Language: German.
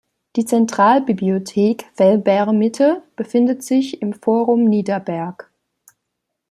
Die Zentralbibliothek Velbert Mitte befindet sich im Forum Niederberg.